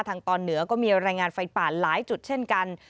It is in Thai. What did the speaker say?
ตอนเหนือก็มีรายงานไฟป่าหลายจุดเช่นกัน